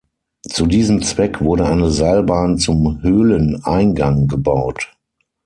Zu diesem Zweck wurde eine Seilbahn zum Höhleneingang gebaut.